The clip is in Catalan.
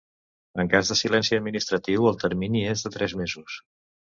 En cas de silenci administratiu el termini és de tres mesos.